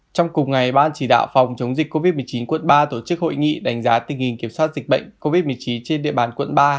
trong cùng ngày ban chỉ đạo phòng chống dịch covid một mươi chín quận ba tổ chức hội nghị đánh giá tình hình kiểm soát dịch bệnh covid một mươi chín trên địa bàn quận ba